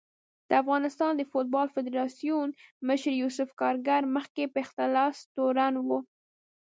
د افغانستان د فوټبال فدارسیون مشر یوسف کارګر مخکې په اختلاس تورن و